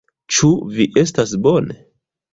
Ĉu vi estas bone?